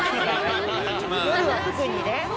夜は特にね。